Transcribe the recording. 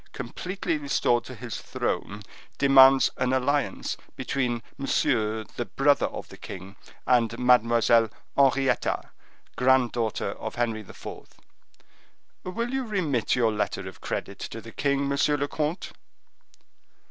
completely restored to his throne, demands an alliance between Monsieur, the brother of the king, and Mademoiselle Henrietta, grand daughter of Henry IV. Will you remit your letter of credit to the king, monsieur le comte?"